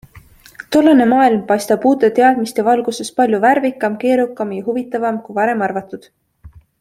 Tollane maailm paistab uute teadmiste valguses palju värvikam, keerukam ja huvitavam kui varem arvatud.